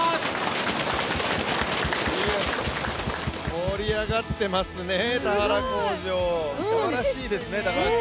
盛り上がってますね田原工場、すばらしいですね。